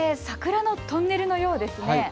桜のトンネルのようですね。